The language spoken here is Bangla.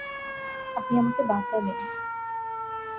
আপনি আমাকে বাঁচালেন।